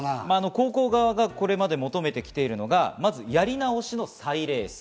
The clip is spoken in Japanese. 高校側がこれまで求めてきているのが、まずやり直しの再レース。